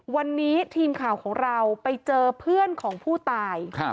วันนี้ทีมข่าวของเราไปเจอเพื่อนของผู้ตาย